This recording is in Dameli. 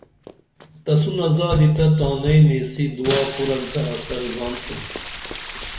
تسونہ زادی تہ تانئی نیسی دعا کُرن تہ اثر زانتُھم